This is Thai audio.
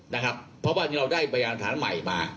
นะครับเพราะว่าทีนี้เราได้บริยามฐานใหม่มา